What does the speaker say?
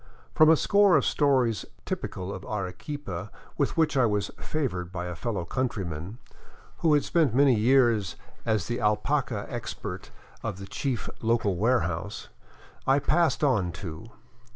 From a score of stories typical of Arequipa with which I was favored by a fellow countryman, who had spent many years as the alpaca expert of the chief local warehouse, I pass on two.